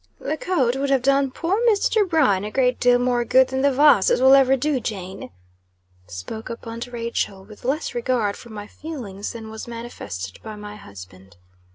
"The coat would have done poor Mr. Bryan a great deal more good than the vases will ever do Jane," spoke up aunt Rachel, with less regard for my feelings than was manifested by my husband.